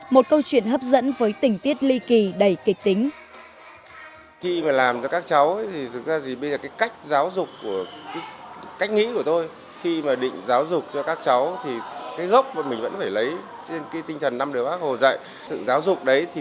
một câu chuyện hấp dẫn với tình tiết ly kỳ đầy kịch tính